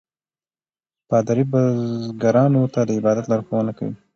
پادري بزګرانو ته د عبادت لارښوونه کوي.